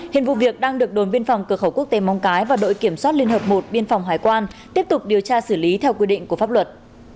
hiện vụ việc đang được đồn biên phòng cửa khẩu quốc tế mong cái và đội kiểm soát liên hợp một biên phòng hải quan tiếp tục điều tra xử lý theo quy định của pháp luật